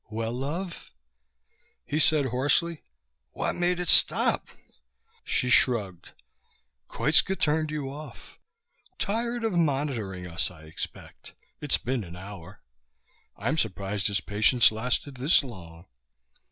"Well, love?" He said hoarsely, "What made it stop?" She shrugged. "Koitska turned you off. Tired of monitoring us, I expect it's been an hour. I'm surprised his patience lasted this long."